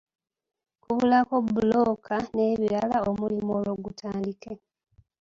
Kubulako bbulooka n'ebirala omulimu olwo gutandike.